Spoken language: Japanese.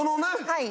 はい。